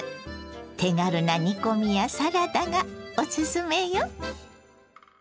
手軽な煮込みやサラダがおすすめよ。